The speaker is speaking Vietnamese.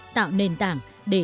tạo nền tảng để đếm